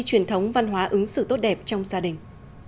truyền thống văn hóa ứng sự tốt đẹp trong gia đình